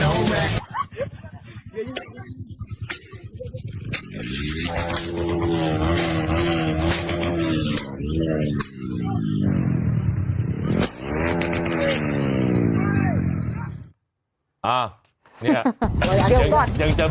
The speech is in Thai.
เราก็ต้องมาฝากเตือนกันนะครับ